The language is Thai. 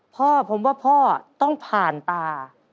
พ่อผมว่าพ่อต้องผ่านตา